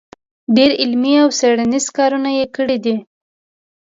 ډېر علمي او څېړنیز کارونه کړي دی